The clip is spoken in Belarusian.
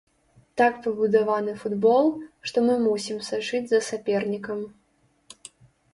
Так пабудаваны футбол, што мы мусім сачыць за сапернікам.